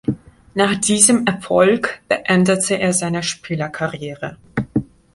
Nach diesem Erfolg beendete er seine Spielerkarriere.